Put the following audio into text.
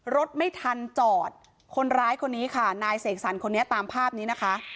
รถไม่ทันจอดคนร้ายคนนี้ค่ะนายเสกสรรคนนี้ตามภาพนี้นะคะ